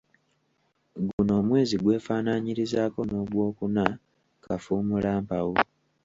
Guno omwezi gwefaananyirizaako n'ogwokuna - Kafuumulampawu.